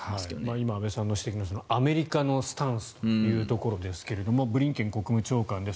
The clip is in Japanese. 今、安部さん指摘のアメリカのスタンスですがブリンケン国務長官です。